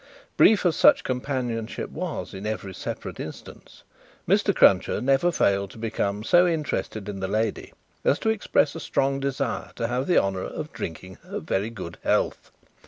Brief as such companionship was in every separate instance, Mr. Cruncher never failed to become so interested in the lady as to express a strong desire to have the honour of drinking her very good health.